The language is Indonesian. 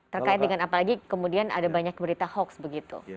terkait dengan apalagi kemudian ada banyak berita hoax begitu